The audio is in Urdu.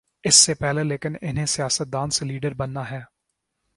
اس سے پہلے لیکن انہیں سیاست دان سے لیڈر بننا ہے۔